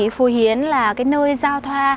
phổ hiến là nơi giao thoa